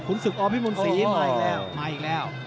ขุนศึกออมพี่มนต์ศรีมาอีกแล้ว